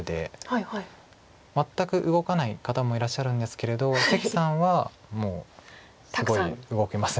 全く動かない方もいらっしゃるんですけれど関さんはもうすごい動きます。